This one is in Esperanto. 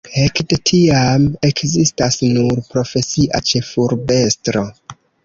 Ekde tiam ekzistas nur profesia ĉefurbestro.